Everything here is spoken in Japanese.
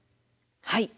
はい。